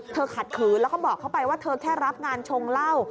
ขัดขืนแล้วก็บอกเขาไปว่าเธอแค่รับงานชงเหล้า